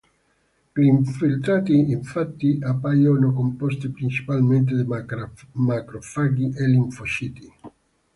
Gli infiltrati, infatti, appaiono composti principalmente da macrofagi e linfociti.